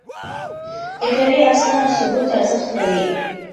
اداري اسناد د ثبوت ارزښت لري.